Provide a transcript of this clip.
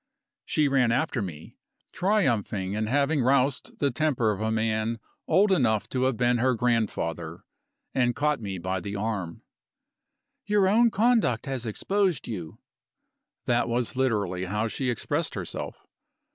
She ran after me, triumphing in having roused the temper of a man old enough to have been her grandfather, and caught me by the arm. "Your own conduct has exposed you." (That was literally how she expressed herself.)